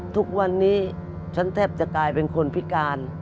ทุกวันนี้ฉันแทบจะกลายเป็นคนพิการ